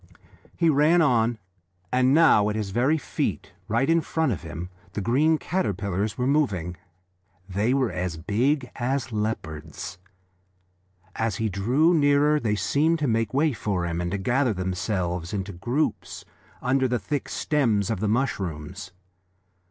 He ran on, and now at his very feet, right in front of him, the green caterpillars were moving. They were as big as leopards. As he drew nearer they seemed to make way for him, and to gather themselves into groups under the thick stems of the mushrooms.